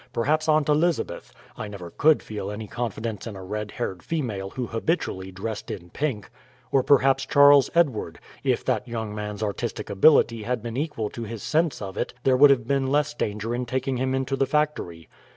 Perhaps Aunt Elizabeth I never could feel any confidence in a red haired female who habitually dressed in pink. Or perhaps Charles Edward if that young man's artistic ability had been equal to his sense of it there would have been less danger in taking him into the factory.